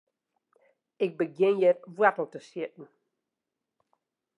Ik begjin hjir woartel te sjitten.